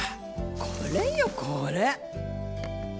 これよこれ。